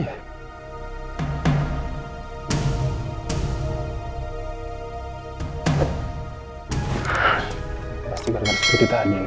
ada yang enemy